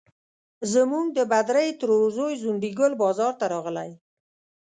زموږ د بدرۍ ترور زوی ځونډي ګل بازار ته راغلی.